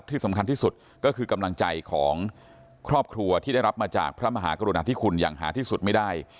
ที่สำคัญที่สุดก็คือกำลังใจของครอบครัวที่ได้รับมาจากพระมหากรุณาธิคุณอย่างหาที่สุดไม่ได้